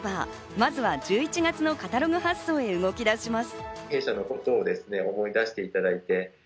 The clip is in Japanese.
まずは１１月のカタログ発送へ動き出します。